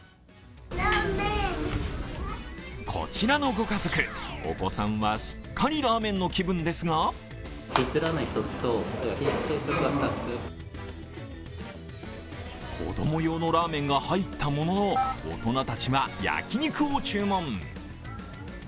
こちらのご家族、お子さんはすっかりラーメンの気分ですが子供用のラーメンが入ったものの、大人たちは焼き肉を注文。